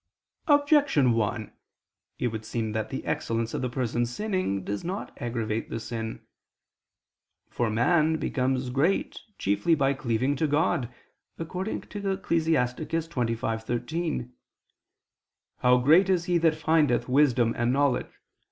Objection 1: It would seem that the excellence of the person sinning does not aggravate the sin. For man becomes great chiefly by cleaving to God, according to Ecclus. 25:13: "How great is he that findeth wisdom and knowledge!